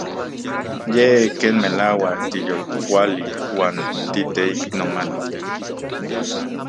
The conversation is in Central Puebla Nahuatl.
Yej ken melauak tiyolkuali uan titeiknomati.